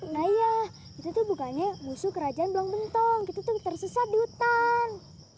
nah iya kita tuh bukannya musuh kerajaan belang bentong kita tuh tersesat di hutan